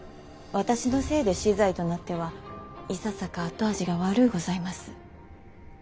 私のせいで死罪となってはいささか後味が悪うございます。